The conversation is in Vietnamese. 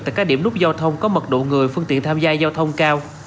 tại các điểm nút giao thông có mật độ người phương tiện tham gia giao thông cao